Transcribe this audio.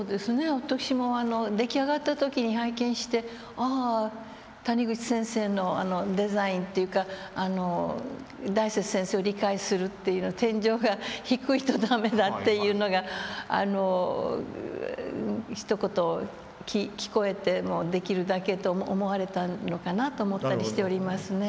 私も出来上がった時に拝見してああ谷口先生のデザインっていうか大拙先生を理解するというのを「天井が低いと駄目だ」というのがひと言聞こえてもうできるだけと思われたのかなと思ったりしておりますね。